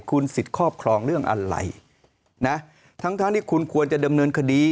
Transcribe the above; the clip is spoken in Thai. คุณสิทธิ์ครอบครองเรื่องอะไรนะทั้งทั้งที่คุณควรจะดำเนินคดี